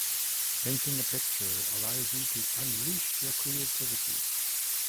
Painting a picture allows you to unleash your creativity.